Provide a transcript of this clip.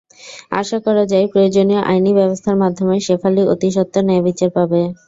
আশা করা যায়, প্রয়োজনীয় আইনি ব্যবস্থার মাধ্যমে শেফালি অতিসত্বর ন্যায়বিচার পাবে।